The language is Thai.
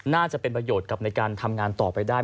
น่าจะเป็นประโยชน์กับในการทำงานต่อไปได้